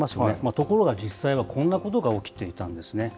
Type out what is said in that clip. ところが実際は、こんなことが起きていたんですね。